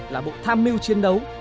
là một tham mưu chiến đấu